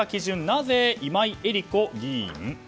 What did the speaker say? なぜ、今井絵理子議員？